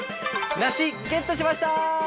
梨ゲットしました！